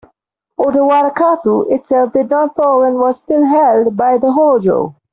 Odawara castle itself did not fall and was still held by the Hojo.